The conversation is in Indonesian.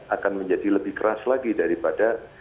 akan menjadi lebih keras lagi daripada